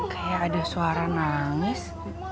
kayak ada suara nangis